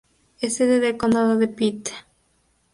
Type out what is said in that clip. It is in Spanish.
Es sede del condado de Pitt.